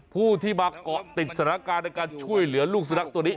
ผู้ที่มาเกาะติดสถานการณ์ในการช่วยเหลือลูกสุนัขตัวนี้